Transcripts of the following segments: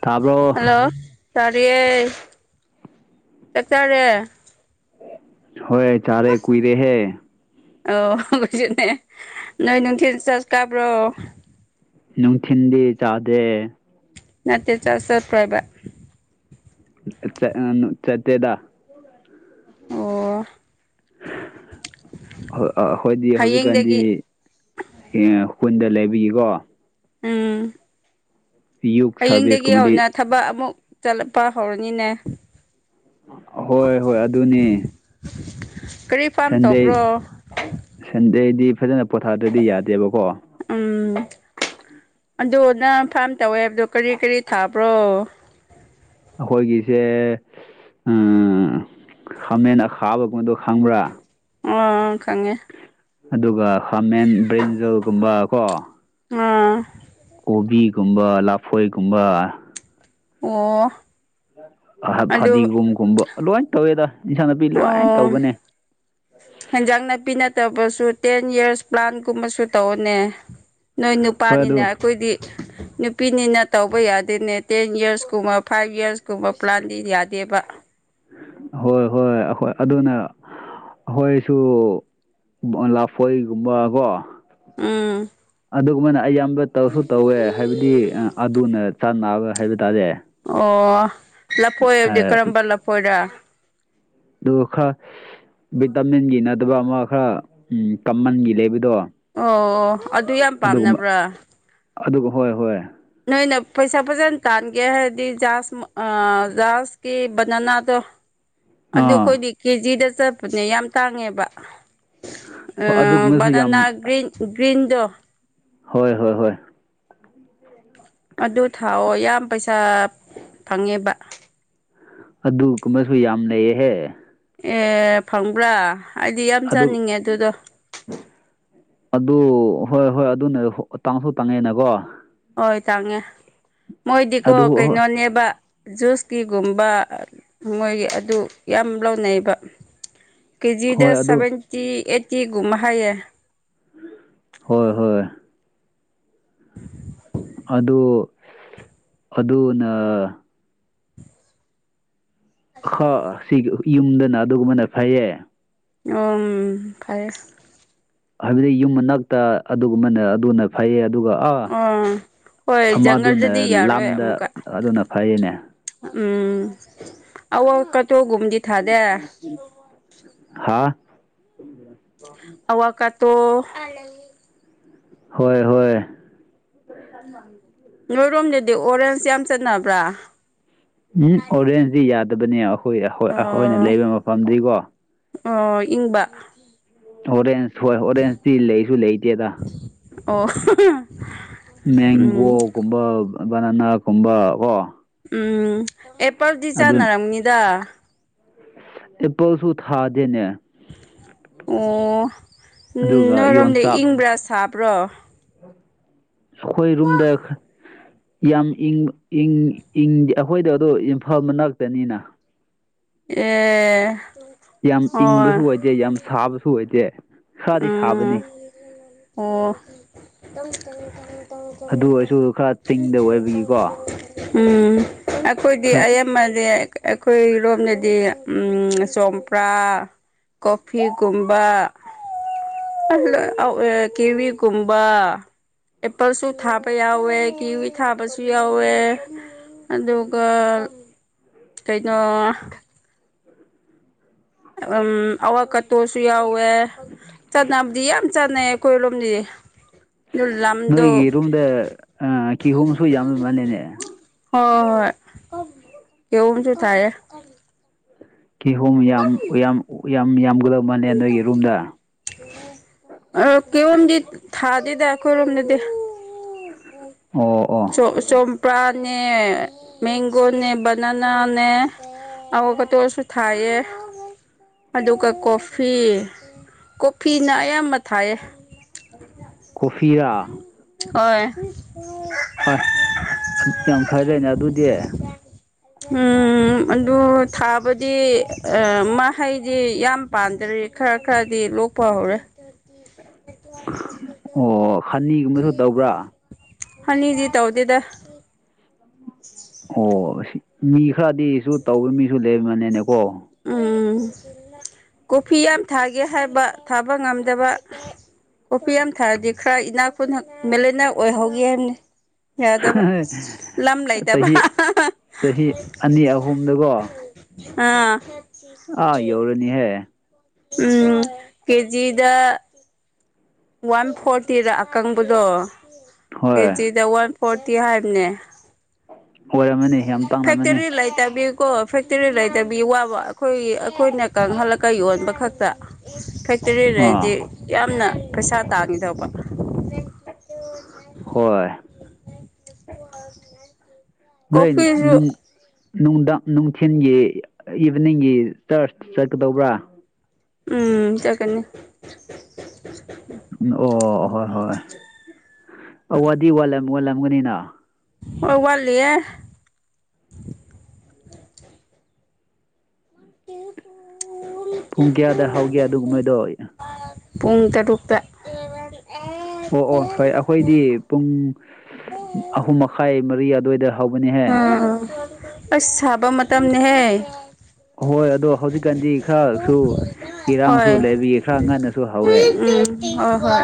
ꯇꯥꯕ꯭ꯔꯣ ꯍꯜꯂꯣ ꯆꯠ ꯆꯥꯔꯤꯌꯦ ꯆꯠ ꯆꯔꯦ ꯍꯣꯏ ꯆꯥꯔꯦ ꯀꯨꯏꯔꯦ ꯍꯦ ꯑꯧ ꯍꯪꯣꯏꯁꯦꯅꯦ ꯅꯣꯏ ꯅꯅꯨꯡ ꯇꯦꯟ ꯆꯥꯔꯖ ꯀꯥꯕ꯭ꯔꯣ ꯅꯨꯡꯊꯤꯤꯟꯗꯤ ꯆꯥꯗ꯭ꯔꯦ ꯅꯅꯥꯠꯇ ꯆ ꯁꯠ ꯄ꯭ꯔꯥꯏꯕ ꯆ ꯑ ꯆꯠꯇꯦꯗꯥ ꯑꯣ ꯑꯩꯈꯣꯏꯗꯤ ꯍꯧꯖꯤꯛꯀꯥꯟꯗꯤ ꯍꯌꯦꯡꯗꯒꯤ ꯀꯨꯟꯗ ꯂꯩꯕꯤꯀꯣ ꯎꯝ ꯌꯨꯠ ꯍꯌꯦꯡꯗꯒꯤ ꯍꯧꯅ ꯁꯥꯔꯚꯤꯁꯀꯨꯝꯕꯗꯤ ꯊꯕꯛ ꯑꯃꯨꯛ ꯆꯠꯂꯛꯄ ꯍꯧꯔꯅꯤꯅꯦ ꯍꯣꯏ ꯍꯣꯏ ꯑꯗꯨꯅꯦ ꯀꯔꯤ ꯐꯥꯝ ꯁꯟꯗꯦ ꯇꯧꯕ꯭ꯔꯣ ꯁꯟꯗꯦꯗꯤ ꯐꯖꯅ ꯄꯣꯊꯥꯗ꯭ꯔꯗꯤ ꯌꯥꯗꯦꯕꯀꯣ ꯎꯝ ꯑꯗꯨ ꯅꯪ ꯐꯥꯔꯝ ꯇꯧꯋꯦ ꯍꯥꯏꯕꯗꯣ ꯀꯔꯤ ꯀꯔꯤ ꯊꯥꯕ꯭ꯔꯣ ꯑꯩꯈꯣꯏꯒꯤꯁꯦ ꯎ ꯈꯥꯃꯦꯟ ꯑ ꯈꯥꯕꯒꯨꯝꯗꯣ ꯈꯪꯕ꯭ꯔꯥ ꯑꯣ ꯈꯪꯦ ꯑꯗꯨꯒ ꯈꯃꯦꯟ ꯕ꯭ꯔꯤꯦꯟꯖꯣꯒꯨꯝꯕ ꯀꯣ ꯑꯣꯥ ꯀꯣꯕꯤꯒꯨꯝꯕ ꯂꯐꯣꯏꯒꯨꯝꯕ ꯑꯣ ꯑꯗꯨ ꯐꯗꯤꯒꯨꯝꯝꯒꯨꯝꯕ ꯂꯣꯏ ꯇꯧꯋꯦꯗ ꯏꯟꯁꯥꯡ ꯅꯥꯄꯤ ꯂꯣꯏ ꯑꯣ ꯇꯧꯕꯅꯦ ꯍꯦꯟꯖꯥꯡ ꯅꯥꯄꯤꯅ ꯇꯕꯁꯨ ꯇꯦꯟ ꯌꯔꯁ ꯄ꯭ꯂꯥꯟꯒꯨꯝꯕꯁꯨ ꯇꯧꯅꯦ ꯅꯣꯏ ꯍꯣꯏ ꯅꯨꯄꯥꯅꯤꯅꯦ ꯑꯗꯨ ꯑꯩꯈꯣꯏꯗꯤ ꯅꯨꯄꯤꯅꯤꯅ ꯇꯧꯕ ꯌꯥꯗꯣꯏꯅꯦ ꯇꯦꯟ ꯌꯔꯁꯀꯨꯝꯕ ꯐꯥꯏꯚ ꯌꯔꯁꯀꯨꯝꯕ ꯄ꯭ꯂꯥꯟꯗꯤ ꯌꯥꯗꯦꯕ ꯍꯣꯏ ꯍꯣꯏ ꯑꯣꯏ ꯑꯗꯨꯅ ꯑꯩꯈꯣꯏꯁꯨ ꯂꯥꯞꯄꯣꯏꯒꯨꯝꯕ ꯀꯣ ꯎꯝ ꯑꯗꯨꯒꯨꯝꯕꯅ ꯑꯌꯥꯝꯕ ꯇꯧꯁꯨ ꯇꯧꯋꯦ ꯍꯥꯏꯕꯗꯤ ꯑꯗꯨꯅ ꯆꯥꯟꯅꯕ ꯍꯥꯏꯕ ꯇꯥꯔꯦ ꯑꯣ ꯂꯐꯣꯏ ꯍꯥꯏꯕꯗꯤ ꯀꯔꯝꯕ ꯂꯐꯣꯏꯔꯥ ꯑꯗꯨꯒ ꯈꯔ ꯚꯤꯇꯥꯃꯤꯟꯒꯤ ꯅꯠꯇꯕ ꯑꯃ ꯈꯔ ꯎ ꯀꯃꯟꯒꯤ ꯂꯩꯕꯗꯣ ꯑꯣ ꯑꯗꯨ ꯌꯥꯝ ꯑꯗꯨꯒꯨꯝꯕ ꯄꯥꯝꯅꯕ꯭ꯔꯥ ꯑꯗꯨꯒ ꯍꯣꯏ ꯍꯣꯏ ꯅꯣꯏꯅ ꯄꯩꯁꯥ ꯐꯖꯅ ꯇꯥꯟꯒꯦ ꯍꯥꯏꯔꯗꯤ ꯖꯍꯥꯖ ꯖꯍꯥꯖꯀꯤ ꯕꯅꯅꯥꯗꯣ ꯑꯗꯨ ꯑꯥ ꯑꯩꯈꯣꯏꯗꯤ ꯀꯦꯖꯤꯗ ꯆꯠꯄꯅꯦ ꯌꯥꯝ ꯇꯥꯡꯉꯦꯕ ꯍꯣꯏ ꯑ ꯑꯗꯨꯒꯨꯝꯕꯁꯨ ꯅꯅꯥ ꯌꯥꯝ ꯒ꯭ꯔꯤꯟ ꯒ꯭ꯔꯤꯟꯗ ꯍꯣꯏ ꯍꯣꯏ ꯍꯣꯏ ꯑꯗꯨ ꯊꯥꯎꯑꯣ ꯌꯥꯝ ꯄꯩꯁꯥ ꯐꯪꯉꯦꯕ ꯑꯗꯨꯨꯝꯃꯁꯨ ꯌꯥꯝ ꯂꯩꯩꯌꯦꯍꯦ ꯑꯦ ꯐꯪꯕ꯭ꯔꯥ ꯍꯥꯏꯗꯤ ꯌꯥꯝ ꯑꯗꯨ ꯆꯥꯅꯤꯡꯉꯦ ꯑꯗꯨꯗꯣ ꯑꯗꯨ ꯍꯣꯏ ꯍꯣꯏ ꯑꯗꯨꯅꯦ ꯇꯥꯡꯁꯨ ꯇꯥꯡꯉꯦꯅꯀꯣ ꯍꯣꯏ ꯇꯥꯡꯉꯦ ꯃꯣꯏꯗꯤꯀꯣ ꯑꯗꯨ ꯍꯣꯏ ꯀꯩꯅꯣꯅꯦꯕ ꯖꯨꯁꯀꯤꯒꯨꯝꯕ ꯃꯣꯏꯒꯤ ꯑꯗꯨ ꯌꯥꯝ ꯂꯧꯅꯩꯕ ꯀꯦꯖꯤꯗ ꯍꯣꯏ ꯑꯗꯨ ꯁꯚꯦꯟꯇꯤ ꯑꯩꯠꯇꯤꯒꯨꯝ ꯍꯥꯏꯌꯦ ꯍꯣꯏ ꯍꯣꯏ ꯑꯗꯨ ꯑꯗꯨꯅ ꯍ ꯁꯤ ꯌꯨꯝꯗꯅ ꯑꯗꯨꯒꯨꯝꯕꯅ ꯐꯩꯌꯦ ꯑꯣꯝ ꯐꯥꯏ ꯍꯥꯏꯕꯗꯤ ꯌꯨꯝ ꯃꯅꯥꯛꯇ ꯑꯗꯨꯒꯨꯝꯕꯅ ꯑꯗꯨꯅ ꯐꯩꯌꯦ ꯑꯗꯨꯒ ꯑꯥ ꯑꯣ ꯍꯣꯏ ꯑꯃꯗꯨꯅ ꯖꯪꯒꯜꯗꯗꯤ ꯌꯥꯔꯣꯏ ꯂꯝꯗ ꯑꯃꯨꯛꯀ ꯑꯗꯨꯅ ꯐꯩꯌꯦꯅꯦ ꯎꯝ ꯑ ꯀ ꯍꯥꯥ ꯑꯋꯥ ꯀꯇꯣ ꯍꯣꯏ ꯍꯣꯏ ꯑꯗꯤ ꯑꯣꯔꯦꯟꯖ ꯌꯥꯝ ꯆꯠꯅꯕ꯭ꯔꯥ ꯎꯝ ꯑꯣꯔꯦꯟꯖꯇꯤ ꯌꯥꯗꯕꯅꯦ ꯑꯩꯈꯣꯏ ꯑꯩꯈꯣꯏꯅ ꯑꯣ ꯂꯩꯕ ꯃꯐꯝꯗꯤꯀꯣ ꯑꯣ ꯏꯪꯕ ꯑꯣꯔꯦꯟꯖ ꯍꯣꯏ ꯑꯣꯔꯦꯟꯖꯇꯤ ꯂꯩꯁꯨ ꯂꯩꯇꯦꯗ ꯑꯣ ꯎꯝ ꯃꯦꯡꯒꯣꯒꯨꯝꯕ ꯕꯅꯅꯥꯒꯨꯝꯕ ꯀꯣ ꯎꯝ ꯑꯦꯄꯜꯗꯤ ꯆꯥꯟꯅꯔꯝꯅꯤꯗ ꯏ ꯄꯣꯁꯨ ꯊꯥꯖꯅꯦ ꯑꯣ ꯎ ꯑꯗꯨꯒ ꯅꯔꯝꯂꯤ ꯏꯪꯕ꯭ꯔꯥ ꯁꯥꯄ꯭ꯔꯣ ꯈꯣꯏꯔꯨꯝꯝꯗ ꯌꯥꯝꯪꯪ ꯑꯩꯈꯣꯏꯗ ꯑꯗ ꯏꯝꯐꯥꯜ ꯃꯅꯥꯛꯇꯅꯤꯅ ꯑꯦ ꯌꯥꯝ ꯍꯣꯏ ꯏꯪꯕꯁꯨ ꯑꯣꯏꯗꯦ ꯌꯥꯝ ꯁꯥꯕꯁꯨ ꯑꯣꯏꯗꯦ ꯈꯔꯗꯤ ꯁꯥꯕꯅꯤ ꯎꯝ ꯑꯣ ꯑꯗꯨ ꯑꯣꯏꯔꯁꯨ ꯈꯔ ꯆꯤꯡꯗ ꯑꯣꯏꯕꯒꯤꯀꯣ ꯎꯝ ꯑꯩꯈꯣꯏꯗꯤ ꯍꯣꯏ ꯑꯌꯥꯝꯕꯁꯦ ꯑꯩꯈꯣꯏꯔꯣꯝꯗꯗꯤ ꯆꯣꯝꯄ꯭ꯔꯥ ꯀꯣꯐꯤꯒꯨꯝꯕ ꯑꯜꯂ ꯀꯤꯕꯤ ꯀꯨꯝꯕꯥ ꯑꯦꯄꯜꯁꯨ ꯊꯥꯕ ꯌꯥꯎꯋꯦ ꯀꯤꯋꯤ ꯊꯥꯕꯁꯨ ꯌꯥꯎꯋꯦ ꯑꯗꯨꯒ ꯀꯩꯅꯣ ꯎꯝ ꯑꯋꯥ ꯀꯇꯣꯁꯨ ꯌꯥꯎꯋꯦ ꯆꯠꯅꯕꯗꯤ ꯌꯥꯝ ꯆꯠꯅꯩ ꯀꯣꯏꯔꯣꯝꯅꯤꯗꯤ ꯅꯣꯏꯒꯤ ꯔꯨꯝꯗ ꯀꯤꯍꯣꯝꯁꯨ ꯌꯥꯝꯃꯜꯂꯦꯅꯦ ꯍꯣꯏ ꯍꯣꯏ ꯀꯍꯁꯨ ꯊꯥꯏ ꯀꯤꯍꯣꯝ ꯌꯥꯝ ꯌꯥꯝ ꯌꯥꯝ ꯌꯥꯝꯒꯗꯕ ꯃꯥꯜꯂꯦ ꯅꯣꯏꯒꯤ ꯔꯨꯝꯗ ꯑꯣ ꯀꯣꯝꯖꯤ ꯊꯥꯗꯗꯈꯔꯣꯝꯅꯗꯤ ꯑꯣ ꯑꯣ ꯆꯄ꯭ꯔꯥꯅꯦ ꯃꯦꯡꯒꯣꯅꯦ ꯕꯅꯅꯥꯅꯦ ꯑꯋꯒꯇꯣꯛꯑꯁꯨ ꯊꯥꯏꯑ ꯑꯗꯨꯒ ꯀꯣꯐꯤ ꯀꯣꯐꯤꯅ ꯑꯌꯥꯝꯕ ꯊꯥꯏꯌꯦ ꯀꯐꯌꯥꯥ ꯍꯣꯏ ꯍꯣꯏ ꯑꯗꯨ ꯌꯥꯝ ꯐꯔꯦꯅꯦ ꯑꯗꯨꯗꯤ ꯎꯝ ꯑꯗꯨ ꯊꯥꯕꯗꯤ ꯑ ꯃꯥ ꯍꯩꯗꯤ ꯌꯥꯝ ꯄꯥꯝꯗꯔꯤ ꯈꯔ ꯈꯔꯗꯤ ꯂꯣꯛꯄ ꯍꯧꯔꯦ ꯑꯣ ꯈꯅꯤꯒꯨꯝꯕꯁꯨ ꯇꯧꯕ꯭ꯔꯥ ꯍꯅꯤꯗꯤ ꯇꯧꯗꯗ ꯑꯣ ꯃꯤ ꯈꯔꯗꯤꯁꯨ ꯇꯧꯕ ꯃꯤꯁꯨ ꯂꯩꯔꯝꯕꯅꯤꯅꯦꯀꯣ ꯎꯝ ꯀꯣꯐꯤ ꯌꯥꯝ ꯊꯥꯒꯦ ꯍꯥꯏꯕ ꯊꯥꯕ ꯉꯝꯗꯕ ꯀꯣꯄꯤ ꯌꯥꯝ ꯊꯥꯔꯗꯤ ꯈꯔ ꯏꯅꯥꯛꯄꯨꯅ ꯃꯦꯂꯦꯅꯤ ꯑꯣꯏꯍꯧꯒꯦ ꯍꯥꯏꯕꯅꯤ ꯌꯥꯎꯗꯕ ꯂꯝ ꯂꯩꯗꯕ ꯆꯍꯤ ꯆꯍꯤ ꯑꯅꯤ ꯑꯍꯨꯝꯗꯀꯣ ꯑꯥ ꯑ ꯌꯧꯔꯅꯤꯍꯦ ꯎꯝ ꯀꯦꯖꯤꯗ ꯋꯥꯟ ꯐꯣꯔꯇꯤꯗ ꯑꯀꯪꯕꯗꯣ ꯍꯣꯏ ꯀꯦꯖꯤꯗ ꯋꯥꯟ ꯐꯣꯔꯇꯤ ꯍꯥꯏꯕꯅꯦ ꯑꯣꯏꯔꯝꯃꯅꯤ ꯌꯥꯝ ꯇꯥꯡꯅꯝꯃꯅꯤ ꯐꯦꯇꯔꯤ ꯏꯂꯥꯏꯇ ꯀꯣ ꯐꯦꯛꯇꯔꯤ ꯂꯩꯗꯕꯕꯤ ꯋꯥꯕ ꯑꯩꯈꯣꯏ ꯑꯩꯈꯣꯏꯅ ꯀꯪꯍꯜꯂꯒ ꯌꯣꯟꯕ ꯈꯛꯇ ꯐꯦꯛꯇꯔꯤꯗꯗꯤ ꯑꯥ ꯌꯥꯝꯅ ꯄꯩꯁꯥ ꯇꯥꯡꯈꯤꯤꯗꯧꯕ ꯍꯣꯏ ꯅꯣꯏꯪ ꯀꯣꯐꯤꯁꯨ ꯅꯨꯡ ꯅꯨꯡꯊꯤꯜꯒꯤ ꯏꯚꯤꯅꯤꯡꯒꯤ ꯆꯔꯆ ꯆꯠꯀꯗꯧꯕ꯭ꯔꯥ ꯎꯝ ꯆꯀꯅꯤ ꯑꯣ ꯍꯣꯏ ꯍꯣꯏ ꯑꯋꯥꯗꯤꯠꯂꯝ ꯋꯥꯠꯂꯝꯒꯅꯤꯅ ꯑꯣ ꯋꯥꯜꯂꯤꯦ ꯏꯔ ꯇ ꯄꯨꯡ ꯀꯌꯥꯗ ꯍꯥꯎꯒꯦ ꯑꯗꯨꯒꯨꯝ ꯃꯣꯏꯗꯣ ꯄꯨꯡ ꯇꯔꯨꯛꯇ ꯑꯣ ꯑꯣ ꯐꯣꯏ ꯑꯩꯈꯣꯏꯗꯤ ꯄꯨꯡ ꯑꯍꯨꯝ ꯃꯈꯥꯏ ꯃꯔꯤ ꯑꯗꯨꯋꯥꯏꯗ ꯍꯧꯕꯅꯤꯍꯦ ꯎꯝ ꯑꯁ ꯁꯥꯕ ꯃꯇꯝꯅꯦꯍꯦ ꯍꯣꯏ ꯑꯗꯣ ꯍꯧꯖꯤꯛꯀꯥꯟꯗꯤ ꯈꯔꯁꯨ ꯏꯔꯥꯡꯁꯨ ꯍꯣꯏ ꯂꯩꯕꯤꯌꯦ ꯈꯔ ꯉꯟꯅꯁꯨ ꯍꯧꯋꯦ ꯇ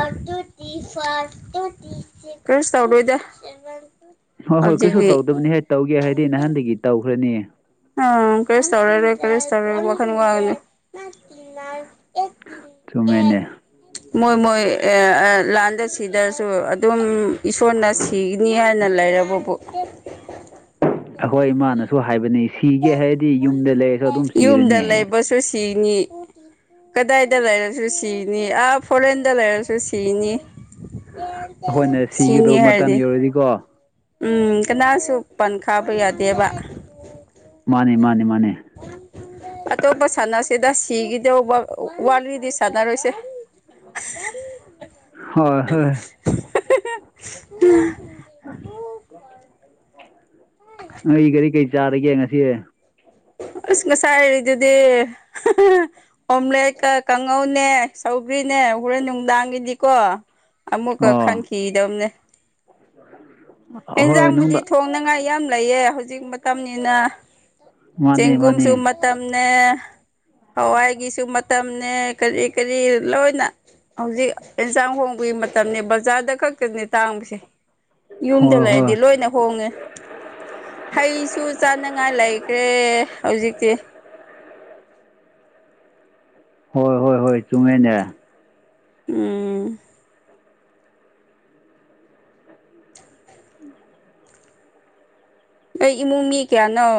ꯀꯁ ꯇꯂꯣꯗ ꯍꯣꯏ ꯍꯣꯏ ꯀꯩꯁꯨ ꯇꯧꯗꯕꯅꯤ ꯍꯥꯏ ꯇꯧꯒꯦ ꯍꯥꯏꯗꯤ ꯅꯍꯥꯟꯗꯒꯤ ꯇꯧꯈ꯭ꯔꯅꯤ ꯑ ꯀꯔꯤꯁ ꯇꯧꯔꯦꯔꯦ ꯀꯔꯤꯁ ꯇꯧꯔꯦ ꯋꯥꯈꯜ ꯋꯥꯅꯤ ꯆꯨꯝꯃꯦꯅꯦ ꯃꯣꯏ ꯃꯣꯏ ꯂꯥꯟꯗ ꯁꯤꯗ꯭ꯔꯁꯨ ꯑꯗꯨꯝ ꯏꯁꯣꯔꯅ ꯁꯤꯒꯅꯤ ꯍꯥꯏꯅ ꯂꯩꯔꯕꯕꯨ ꯑꯩꯈꯣꯏ ꯏꯃꯥꯅꯁꯨ ꯍꯥꯏꯕꯅꯤ ꯁꯤꯒꯦ ꯍꯥꯏꯗꯤ ꯌꯨꯝꯗ ꯂꯩꯔꯁꯨ ꯑꯗꯨꯝ ꯌꯨꯝꯗ ꯁꯤꯔꯅꯤ ꯍꯥꯏꯌꯦ ꯂꯩꯕꯁꯨ ꯁꯤꯅꯤ ꯀꯗꯥꯏꯗ ꯂꯩꯔꯁꯨ ꯁꯤꯅꯤ ꯑ ꯐꯣꯔꯦꯟꯗ ꯂꯩꯔꯁꯨ ꯁꯤꯅꯤ ꯑꯩꯈꯣꯏꯅ ꯁꯤꯅꯤ ꯁꯤꯒꯗꯧꯕ ꯍꯥꯏꯔꯗꯤ ꯃꯇꯝ ꯌꯧꯔꯗꯤꯀꯣ ꯎꯝ ꯀꯅꯥꯁꯨ ꯄꯟꯈꯥꯕ ꯌꯥꯗꯦꯕ ꯃꯥꯅꯤ ꯃꯥꯅꯦ ꯃꯥꯅꯦ ꯁꯤꯗ ꯁꯤꯒꯤꯗ ꯋꯥꯜꯒꯤꯗꯤ ꯁꯥꯟꯅꯔꯣꯏꯁꯦ ꯍꯣꯏ ꯍꯣꯏ ꯎꯝ ꯑꯥ ꯑꯩ ꯀꯔꯤ ꯀꯔꯤ ꯆꯥꯔꯒꯦ ꯉꯁꯤ ꯑꯁ ꯉꯁꯥꯏ ꯍꯥꯏꯔꯤꯗꯨꯗꯤ ꯑꯣꯝꯂꯦꯠꯀ ꯀꯥꯡꯉꯧꯅꯦ ꯍꯈꯔꯤꯅꯦ ꯍꯣꯔꯦꯟ ꯅꯨꯡꯗꯥꯡꯒꯤꯗꯤꯀꯣ ꯑꯃꯨꯛꯀ ꯈꯟꯈꯤꯗꯧꯅꯦ ꯎꯝ ꯌꯦꯟꯖꯥꯡꯕꯨꯗꯤ ꯊꯣꯡꯅꯉꯥꯏ ꯌꯥꯝ ꯂꯩꯌꯦ ꯍꯧꯖꯤꯛ ꯃꯇꯝꯅꯤꯅ ꯃꯥꯅꯦ ꯃꯥꯅꯦ ꯆꯦꯡꯒꯨꯝꯁꯨ ꯃꯇꯝꯅꯤꯅꯦ ꯍꯋꯥꯏꯒꯤꯁꯨ ꯃꯇꯝꯅꯦ ꯀꯔꯤ ꯀꯔꯤ ꯂꯣꯏꯅ ꯍꯧꯖꯤꯛ ꯑꯦꯟꯁꯥꯡ ꯍꯣꯡꯕ ꯀ ꯃꯇꯝꯅꯤ ꯕꯖꯥꯔꯗ ꯈꯛꯇꯅꯦ ꯇꯥꯡꯕꯁꯦ ꯌꯨꯝꯗ ꯍꯣꯏ ꯍꯣꯏ ꯂꯩꯔꯗꯤ ꯂꯣꯏꯅ ꯍꯣꯡꯉꯦ ꯍꯩꯁꯨ ꯆꯥꯅꯉꯥꯏ ꯂꯩꯥꯏ ꯀꯦ ꯍꯧꯖꯤꯛꯇꯤ ꯍꯣꯏ ꯍꯣꯏ ꯍꯣꯏ ꯆꯨꯝꯃꯦꯅꯦ ꯎ ꯑꯩ ꯏꯃꯨꯡ ꯃꯤ ꯀꯌꯥꯅꯣ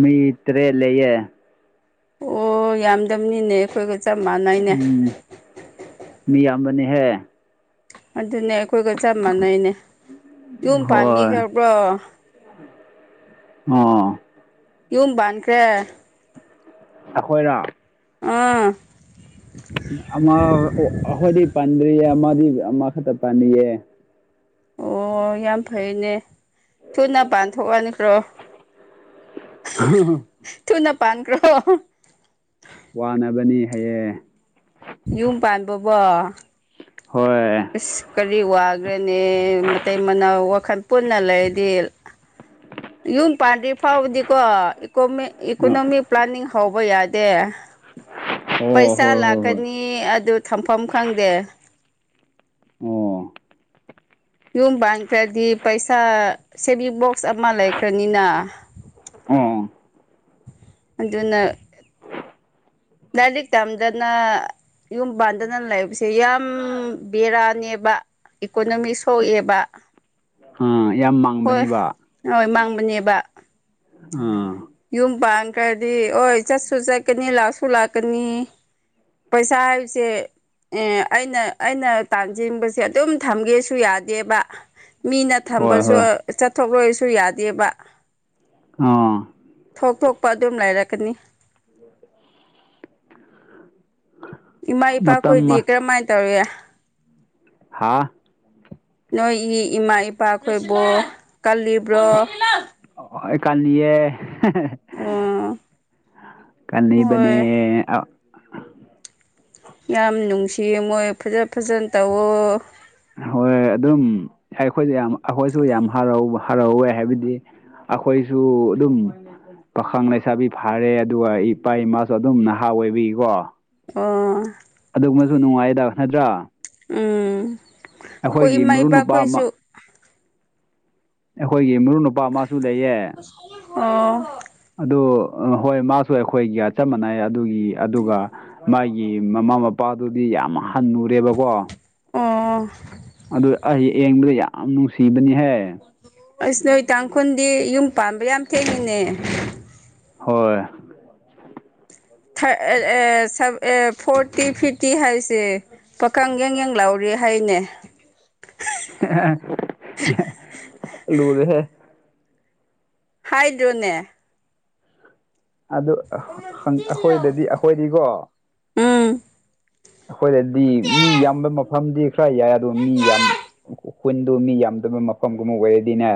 ꯃꯤꯠꯇꯔꯦ ꯂꯩꯦ ꯑꯣ ꯌꯥꯝꯗꯝꯅꯤꯅꯦꯦ ꯈꯣꯏꯒ ꯎꯝ ꯃꯤꯌꯥꯝꯕꯅꯤꯍꯦ ꯑꯗꯨꯅꯦ ꯑꯩꯈꯣꯏꯒ ꯆꯞ ꯃꯥꯟꯅꯩꯅꯦ ꯌꯨꯝ ꯍꯣꯏ ꯄꯥꯝꯕꯤꯈꯕ꯭ꯔꯣ ꯑ ꯌꯨꯝ ꯄꯥꯟꯈ꯭ꯔꯦ ꯑꯩꯈꯣꯏꯅ ꯑꯥ ꯑꯃꯗꯤ ꯄꯟꯔꯤꯌꯦ ꯑꯃꯥꯗꯤ ꯑꯃ ꯀꯇ ꯄꯥꯟꯌꯦ ꯑꯣ ꯌꯥꯝ ꯐꯩꯅꯦ ꯊꯨꯅ ꯄꯥꯟꯊꯣꯛꯑꯅꯤꯈ꯭ꯔꯣ [inaudible] ꯄꯥꯥꯟ꯭ꯔꯣ ꯋꯥꯅꯕꯅꯤ ꯍꯑꯦ ꯌꯨꯝ ꯄꯥꯟꯕꯕꯣ ꯍꯣꯏ ꯑꯁ ꯀꯔꯤ ꯀꯔꯤ ꯋꯥꯈ꯭ꯔꯅꯦ ꯃꯇ ꯃꯅꯥ ꯋꯥꯈꯜ ꯄꯨꯟꯅ ꯂꯩꯔꯗꯤ ꯌꯨꯝ ꯄꯥꯟꯗ꯭ꯔꯤ ꯐꯥꯎꯕꯗꯤꯀꯣ ꯏꯀꯣꯅꯣꯃꯤꯛ ꯄ꯭ꯂꯥꯅꯤꯡ ꯐꯥꯎꯕꯌꯥ ꯗꯦ ꯑꯣ ꯄꯩꯁꯥ ꯍꯣꯏ ꯍꯣꯏ ꯍꯣꯏ ꯂꯥꯛꯀꯅꯤ ꯑꯗꯨ ꯊꯝꯐꯝ ꯈꯪꯗꯦ ꯑꯣ ꯌꯨꯝ ꯄꯥꯟꯈ꯭ꯔꯗꯤ ꯄꯩꯁꯥ ꯁꯦꯚꯤꯡ ꯕꯣꯛꯁ ꯑꯃ ꯂꯩꯈ꯭ꯔꯅꯤꯅ ꯑ ꯑꯗꯨꯅ ꯂꯤꯛ ꯇꯝꯗꯅ ꯌꯨꯝ ꯄꯥꯟꯗꯅ ꯂꯩꯕꯁꯦ ꯌꯥꯝ ꯕꯦꯔꯥꯅꯦꯕ ꯏꯀꯣꯅꯣꯃꯤꯛ ꯁꯣꯛꯑꯦꯕ ꯑꯥ ꯌꯥꯝ ꯃꯥꯡꯕꯅꯤꯕ ꯅꯦꯕ ꯑꯥ ꯌꯨꯝ ꯄꯥꯡ ꯀꯗꯤ ꯍꯣꯏ ꯆꯠꯁꯨ ꯆꯠꯀꯅꯤ ꯂꯥꯛꯁꯨ ꯂꯥꯛꯀꯅꯤ ꯄꯩꯁꯥ ꯍꯥꯏꯕꯁꯦ ꯑꯦ ꯑꯩꯅ ꯑꯩꯅ ꯇꯥꯟꯖꯤꯡꯕꯁꯦ ꯑꯗꯨꯝ ꯊꯝꯒꯦꯁꯨ ꯌꯥꯗꯦꯕ ꯃꯤꯅ ꯍꯣꯏ ꯊꯝꯕꯁꯨ ꯍꯣꯏ ꯆꯠꯊꯣꯛꯂꯣꯏꯁꯨ ꯌꯥꯗꯦꯕ ꯑꯥ ꯊꯣꯛ ꯊꯣꯛꯄ ꯑꯗꯨꯝ ꯂꯩꯔꯛꯀꯅꯤ ꯏꯃꯥ ꯃꯇꯝ ꯏꯄꯥꯈꯣꯏꯗꯤ ꯀꯔꯝꯃꯥꯏꯅ ꯇꯧꯏ ꯍꯥꯥ ꯅꯣꯏꯒꯤ ꯏꯃꯥ ꯏꯄꯥꯈꯣꯏꯕꯨ ꯀꯜꯂꯤꯕ꯭ꯔꯣ ꯑꯦꯀꯥꯦ ꯑꯣ ꯀꯅꯕꯅꯤ ꯍꯣꯏ ꯑ ꯌꯥꯝ ꯅꯨꯡꯁꯤꯌꯦ ꯃꯣꯏ ꯐꯖ ꯐꯖꯅ ꯇꯧꯋ ꯍꯣꯏ ꯑꯗꯨꯝ ꯑꯩꯈꯣꯏꯁꯨ ꯌꯥꯝ ꯑꯩꯈꯣꯏꯁꯨ ꯌꯥꯝ ꯍꯔꯥꯎꯕ ꯐꯔꯥꯎꯋꯦ ꯍꯥꯏꯕꯗꯤ ꯑꯩꯈꯣꯏꯁꯨ ꯑꯗꯨꯝ ꯄꯥꯈꯪ ꯂꯩꯁꯥꯕꯤ ꯐꯥꯔꯦ ꯑꯗꯨꯒ ꯏꯄꯥ ꯏꯃꯥꯁꯨ ꯑꯗꯨꯝ ꯅꯍꯥ ꯑꯣꯏꯕꯤꯀꯣ ꯑꯣ ꯑꯗꯨꯒꯨꯝꯕꯁꯨ ꯅꯨꯡꯉꯥꯏꯗ ꯅꯠꯇ꯭ꯔꯥ ꯎꯝ ꯑꯩꯈꯣꯏ ꯑꯩꯈꯣꯏꯒꯤ ꯏꯃꯥ ꯃꯔꯨꯞ ꯅꯨꯄꯥ ꯏꯄꯥꯈꯣꯏꯁꯨ ꯑꯃ ꯑꯩꯈꯣꯏꯒꯤ ꯃꯔꯨꯞ ꯅꯨꯨꯄꯥ ꯑꯃꯁꯨ ꯂꯩꯌꯦ ꯎ ꯑꯗꯨ ꯍꯣꯏ ꯃꯥꯁꯨ ꯑꯩꯈꯣꯏꯒꯤ ꯆ ꯃꯥꯟꯅꯩ ꯑꯗꯨꯒꯤ ꯑꯗꯨꯒ ꯃꯥꯒꯤ ꯃꯃꯥ ꯃꯄꯥꯗꯨꯗꯤ ꯌꯥꯝ ꯍꯜꯂꯨꯔꯦꯕꯀꯣ ꯑꯣ ꯑꯗꯨ ꯑꯩ ꯌꯦꯡꯕꯗ ꯌꯥꯝ ꯅꯨꯡꯁꯤꯕꯅꯤ ꯑꯁ ꯅꯣꯏ ꯇꯥꯡꯈꯨꯜꯗꯤ ꯌꯨꯝ ꯄꯥꯝꯕ꯭ꯔ ꯌꯥꯝ ꯊꯦꯡꯉꯤꯅꯦ ꯍꯣꯏ ꯐꯣꯔꯇꯤ ꯐꯤꯐꯇꯤ ꯍꯥꯏ ꯁ ꯄꯥꯀꯪ ꯌꯦꯡ ꯌꯦꯡ ꯂꯥꯎꯔꯤ ꯍꯥꯏꯅꯦ ꯂꯨꯔꯔ ꯍꯦ ꯍꯥꯏꯗ꯭ꯔꯣꯅꯦ ꯑꯗꯨ ꯑꯩꯈꯣꯏꯗꯗꯤ ꯑꯩꯈꯣꯏꯗꯤꯀꯣ ꯎꯝ ꯑꯩꯈꯣꯏꯗꯗꯤ ꯃꯤ ꯌꯥꯝꯕ ꯃꯐꯝꯗꯤ ꯈꯔ ꯌꯥꯏ ꯑꯗꯣ ꯃꯤ ꯌꯥꯝ ꯈꯨꯨꯟꯗꯣ ꯃꯤ ꯌꯥꯝ ꯑꯗꯨꯝꯕ ꯃꯐꯝꯒꯨꯝꯕ ꯑꯣꯏꯔꯗꯤꯅꯦ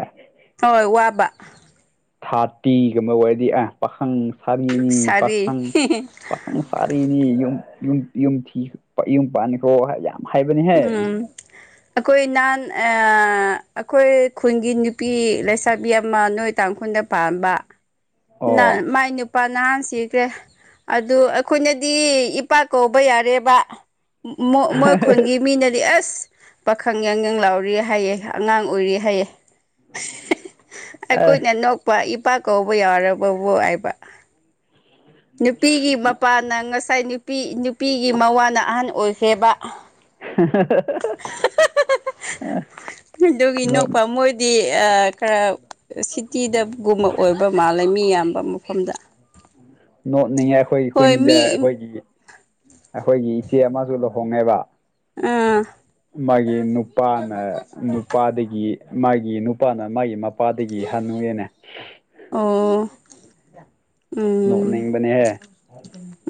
ꯍꯣꯏ ꯋꯥꯕ ꯊꯥꯔꯇꯤꯒ ꯑꯃ ꯑꯣꯏꯔꯗꯤ ꯑ ꯄꯥꯈꯪ ꯁꯔꯤꯅꯤ ꯁꯥꯔꯤ ꯄꯥꯈꯪ ꯄꯥꯈꯪ ꯁꯔꯤꯅꯤ ꯌꯨꯝ ꯌꯨꯝ ꯊꯤ ꯌꯨꯝ ꯄꯥꯅꯤꯈ꯭ꯔꯣ ꯍꯥꯏ ꯌꯥꯝ ꯍꯥꯏꯕꯅꯤꯍꯦ ꯎꯝ ꯑꯩꯈꯣꯏ ꯅꯍꯥꯟ ꯑ ꯑꯩꯈꯣꯏ ꯈꯨꯟꯒꯤ ꯅꯨꯄꯤ ꯂꯩꯁꯥꯕꯤ ꯑꯃ ꯅꯣꯏ ꯇꯥꯡꯈꯨꯜꯗ ꯄꯥꯝꯕ ꯅ ꯑꯣ ꯃꯥꯏ ꯅꯨꯄꯥ ꯅꯍꯥꯟ ꯁꯤꯈ꯭ꯔꯦ ꯑꯗꯨ ꯑꯩꯈꯣꯏꯅꯗꯤ ꯏꯄꯥꯛ ꯀꯧꯕ ꯌꯥꯔꯦꯕ ꯃꯣꯏ ꯈꯨꯟꯒꯤ ꯃꯤꯅꯗꯤ ꯑꯁ ꯄꯥꯈꯪ ꯌꯥꯡꯉꯪ ꯂꯥꯎꯔꯤ ꯍꯥꯏꯌꯦꯦ ꯑꯉꯥꯡ ꯑꯣꯏꯔꯤ ꯍꯥꯏꯌꯦꯦ ꯑ ꯑꯩꯈꯣꯏꯅ ꯅꯣꯛꯄ ꯏꯄꯥꯛ ꯀꯧꯕ ꯌꯥꯎꯔꯕ ꯍꯥꯏꯕ ꯅꯨꯄꯤꯒꯤ ꯃꯄꯥꯅ ꯉꯁꯥꯏ ꯅꯨ ꯅꯨꯄꯤ ꯅꯨꯄꯤꯒꯤ ꯃꯋꯥꯅ ꯑꯍꯟ ꯑꯣꯏꯈ꯭ꯔꯦꯕ ꯍ [inaudible] ꯑꯗꯨꯒꯤ ꯅꯣꯛꯄ ꯃꯣꯏꯗꯤ ꯈꯔ ꯁꯤꯇꯤꯗꯒꯨꯝꯕ ꯑꯣꯏꯕ ꯃꯥ ꯂꯩꯃꯤ ꯌꯥꯝꯕ ꯃꯐꯝꯗ ꯅꯣꯠꯅꯤꯡꯉꯦ ꯑꯩꯈꯣꯏ ꯍꯣꯏ ꯀꯨꯟꯗ ꯃꯤ ꯑꯩꯈꯣꯏꯒꯤ ꯑꯩꯈꯣꯏꯒꯤ ꯏꯆꯦ ꯑꯃꯁꯨ ꯂꯨꯍꯣꯡꯉꯦꯕ ꯑꯥ ꯃꯥꯒꯤ ꯅꯨꯄꯥꯅ ꯅꯨꯄꯥꯗꯒꯤ ꯃꯥꯒꯤ ꯅꯨꯄꯥꯅ ꯃꯥꯒꯤ ꯃꯄꯥꯗꯒꯤ ꯍꯅꯨꯦꯅꯦ ꯑꯣ ꯎꯝ ꯅꯣꯛꯅꯤꯡꯕꯅꯦꯍꯦ